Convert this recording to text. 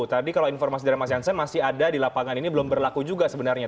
tadi kalau informasi dari mas jansen masih ada di lapangan ini belum berlaku juga sebenarnya